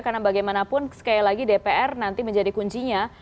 karena bagaimanapun sekali lagi dpr nanti menjadi kuncinya